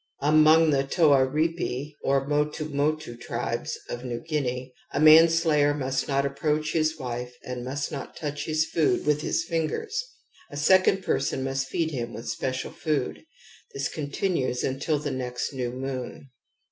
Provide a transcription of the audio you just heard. Among the Toaripi or Motumotu tribes in New Guinea a manslayer must not approach his wife and must not touch his food with his fingers. A second person must feed him with special food. This continues until the next new moon.